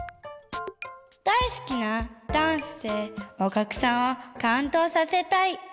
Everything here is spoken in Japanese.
だいすきなダンスでおきゃくさんをかんどうさせたい！